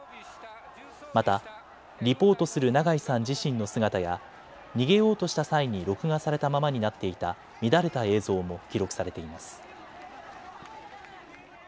またリポートする長井さん自身の姿や逃げようとした際に録画されたままになっていた乱れた映像も記録されています。